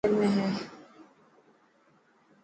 سول اسپتال هر شهر ۾ هي.